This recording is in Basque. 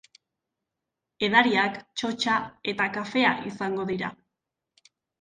Edariak, txotxa eta kafea izango dira.